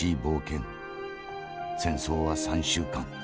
戦争は３週間。